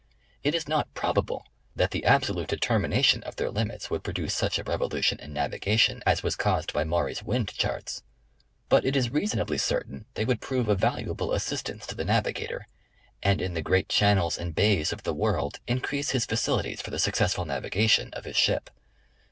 It is not probable that the absolute determination of their limits would produce such a revo lution in navigation, as was caused by Maury's wind charts, but it is reasonably certain they would prove a valuable assistance to the navigator, and in the great channels and bays of the world increase his facilities for the successful navigation of his ship.